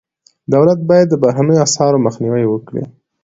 دولت باید د بهرنیو اسعارو مخنیوی وکړي.